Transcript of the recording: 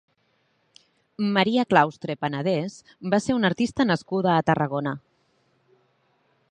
Maria Claustre Panadés va ser una artista nascuda a Tarragona.